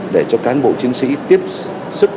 để cho cán bộ chiến sĩ tiếp sức